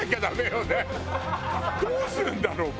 どうするんだろう？